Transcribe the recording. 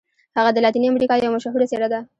هغه د لاتیني امریکا یوه مشهوره څیره ده.